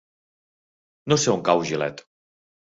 No sé on cau Gilet.